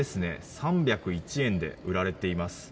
３０１円で売られています。